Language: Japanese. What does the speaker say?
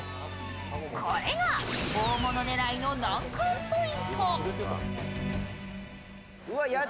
これが大物狙いの難関ポイント。